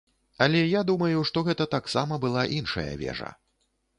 Але я думаю, што гэта таксама была іншая вежа.